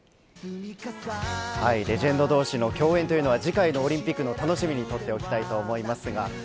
レジェンド同士の共演というのは次回のオリンピックの楽しみにとっておきたいと思います。